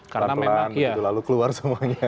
pelan pelan begitu lalu keluar semuanya